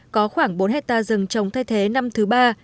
có khoảng bốn hectare rừng trồng thay thế năm thứ ba